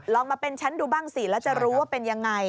ลองมาเป็นฉันดูบ้างสิแล้วจะรู้ว่าเป็นยังไง